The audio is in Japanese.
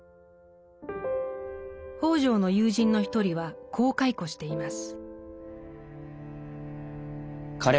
北條の友人の一人はこう回顧しています。